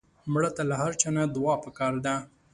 مړه ته له هر چا نه دعا پکار ده